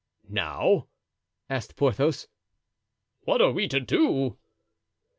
"Now," asked Porthos, "what are we to do?"